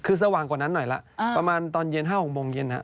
คือสว่างกว่านั้นหน่อยละประมาณตอนเย็น๕๖โมงเย็น